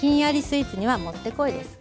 スイーツにはもってこいです。